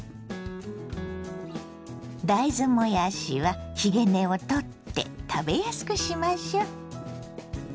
大豆もやしはひげ根を取って食べやすくしましょ。